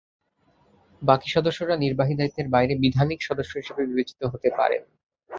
বাকি সদস্যরা নির্বাহী দায়িত্বের বাইরে বিধানিক সদস্য হিসেবে বিবেচিত হতে পারেন।